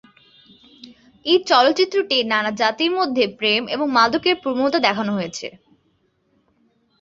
এই চলচ্চিত্রটি নানা জাতির মধ্যে প্রেম এবং মাদকের প্রবণতা দেখানো হয়েছে।